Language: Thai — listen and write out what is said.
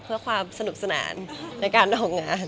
เพื่อว่าสนุกสนานในการทำงาน